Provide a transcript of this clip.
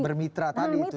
bermitra tadi itu ya